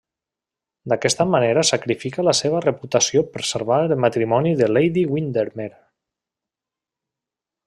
D'aquesta manera sacrifica la seva reputació per salvar el matrimoni de Lady Windermere.